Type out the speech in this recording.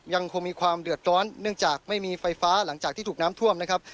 ยังคงมีความเดือดร้อนเนื่องจากไม่มีไฟฟ้าหลังจากที่ถูกน้ำท่วมนะครับ